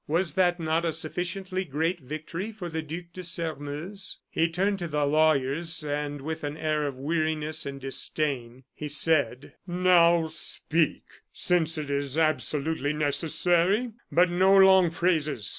Was that not a sufficiently great victory for the Duc de Sairmeuse? He turned to the lawyers, and with an air of weariness and disdain he said: "Now speak, since it is absolutely necessary; but no long phrases!